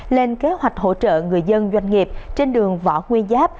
lên kế hoạch hỗ trợ người dân doanh nghiệp trên đường võ nguyên giáp